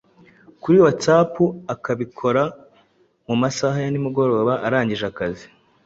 kuri WhatsApp, akabikora mu masaha ya nimugoroba arangije akazi ke.